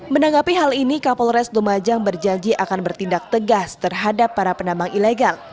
menanggapi hal ini kapolres lumajang berjanji akan bertindak tegas terhadap para penambang ilegal